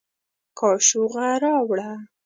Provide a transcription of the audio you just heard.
کاشوغه راوړه